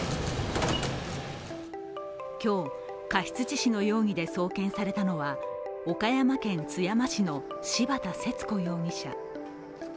今日、過失致死の容疑で送検されたのは岡山県津山市の柴田節子容疑者。